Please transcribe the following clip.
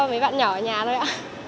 mấy bạn nhỏ ở nhà thôi ạ